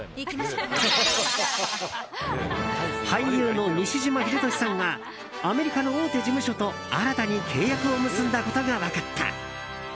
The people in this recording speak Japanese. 俳優の西島秀俊さんがアメリカの大手事務所と新たに契約を結んだことが分かった。